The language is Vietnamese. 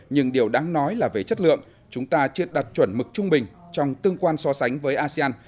nhưng điều đáng nói là về chất lượng chúng ta chưa đặt chuẩn mực trung bình trong tương quan so sánh với asean